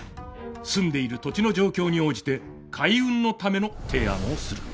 住んでいる土地の状況に応じて開運のための提案をする。